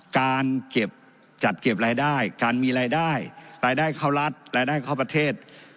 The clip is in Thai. การเก็บจัดเก็บรายได้การมีรายได้รายได้เข้ารัฐรายได้เข้าประเทศ